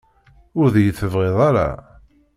Ur d-iyi-tebɣiḍ ara?